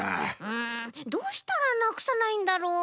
うんどうしたらなくさないんだろう？